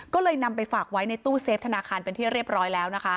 ก็เลยนำไปฝากไว้ในตู้เซฟธนาคารเป็นที่เรียบร้อยแล้วนะคะ